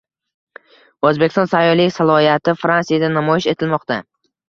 O‘zbekiston sayyohlik salohiyati Fransiyada namoyish etilmoqda